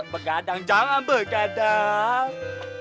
begadang jangan begadang